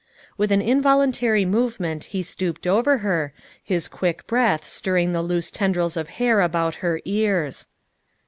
With an involuntary movement he stooped over her, his quick breath stirring the loose tendrils of hair about her ears.